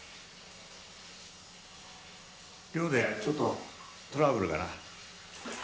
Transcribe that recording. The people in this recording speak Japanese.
寮でちょっとトラブルがな